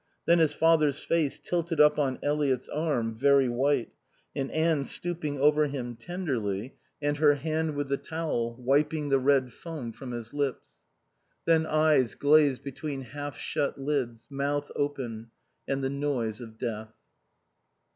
Then his father's face tilted up on Eliot's arm, very white, and Anne stooping over him tenderly, and her hand with the towel, wiping the red foam from his lips. Then eyes glazed between half shut lids, mouth open, and the noise of death.